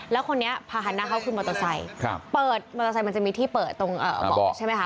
แล้วคนนี้พาหันหน้าเขาขึ้นมอเตอร์ไซค์เปิดมอเตอร์ไซค์มันจะมีที่เปิดตรงเบาะใช่ไหมคะ